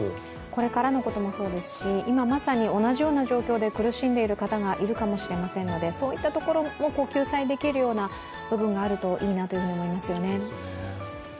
これからのこともそうですし今まさに同じような状況で苦しんでいる方がいるかもしれませんので、そういったところも救済できるような部分があるといいなと思いますよね。